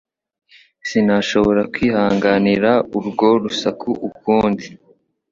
Sinshobora kwihanganira urwo rusaku ukundi.